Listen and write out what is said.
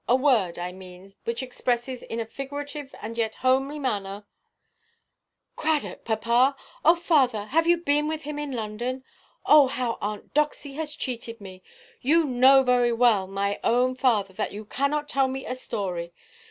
A word, I mean, which expresses in a figurative and yet homely manner——" "Cradock, papa! Oh, father, have you been with him in London? Oh, how Aunt Doxy has cheated me! You know very well, my own father, that you cannot tell me a story.